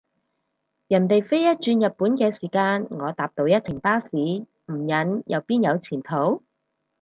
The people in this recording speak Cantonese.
人哋飛一轉日本嘅時間，我搭到一程巴士，唔忍又邊有前途？